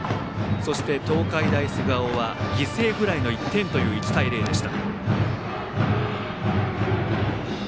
そして、東海大菅生は犠牲フライの１点という１対０でした。